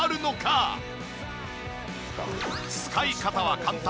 使い方は簡単。